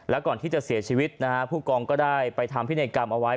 แล้วก่อนที่จะเสียชีวิตนะฮะผู้กองก็ได้ไปทำพินัยกรรมเอาไว้